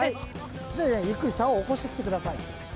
ゆっくりさおを起こしてきてください。